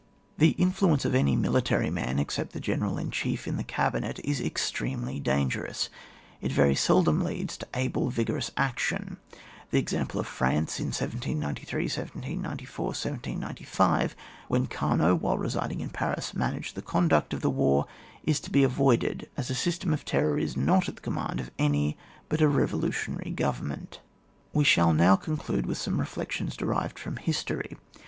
The influence of any militaiy man except the General in Chief in the cabinet, is extremely dangerous ; it very seldom leads to able vigorous action. The example of France in 1793, 1794, 1795, when Camot, while residing in Paris, managed the conduct of the war, is to be avoided, as a system of terror is not at the command of any but a revo lutionary government. We shall now conclude with some reflections derived from history.